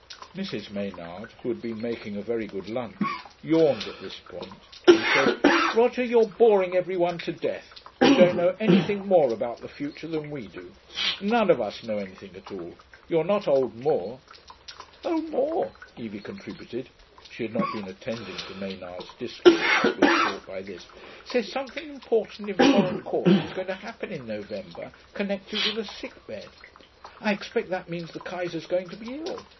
Mrs. Maynard, who had been making a very good lunch, yawned at this point, and said, 'Roger, you're boring every one to death. You don't know anything more about the future than we do. None of us know anything at all. You're not Old Moore.' 'Old Moore,' Evie contributed (she had not been attending to Maynard's discourse, but was caught by this), 'says something important in foreign courts is going to happen in November, connected with a sick bed. I expect that means the Kaiser's going to be ill.